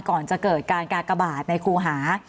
ก่อนจะเกิดการกากบาทในครูหา